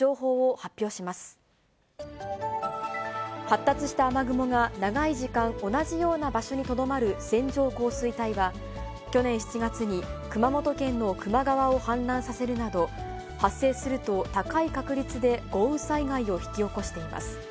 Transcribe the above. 発達した雨雲が長い時間、同じような場所にとどまる線状降水帯は、去年７月に熊本県の球磨川を氾濫させるなど、発生すると高い確率で豪雨災害を引き起こしています。